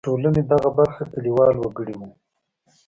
د ټولنې دغه برخه کلیوال وګړي وو.